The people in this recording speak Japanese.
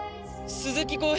鈴木公平